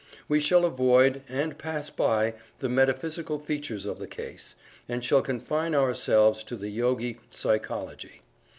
We shall avoid, and pass by, the metaphysical features of the case, and shall confine ourselves to the Yogi Psychology.